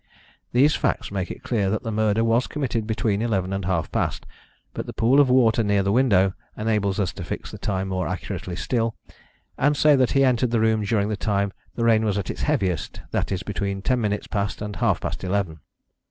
These facts make it clear that the murder was committed between eleven and half past, but the pool of water near the window enables us to fix the time more accurately still, and say that he entered the room during the time the rain was at its heaviest that is, between ten minutes past and half past eleven."